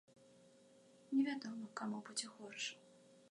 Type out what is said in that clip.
Невядома каму будзе горш.